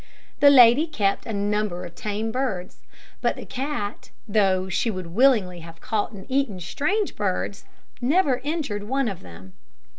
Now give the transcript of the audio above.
The lady kept a number of tame birds; but the cat, though she would willingly have caught and eaten strange birds, never injured one of them.